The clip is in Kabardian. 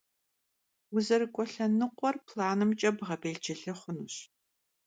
Vuzerık'ue lhenıkhuer planımç'e bğebêlcılı xhunuş.